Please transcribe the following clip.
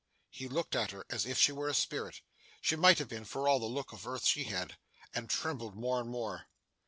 He looked at her as if she were a spirit she might have been for all the look of earth she had and trembled more and more.